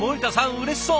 うれしそう！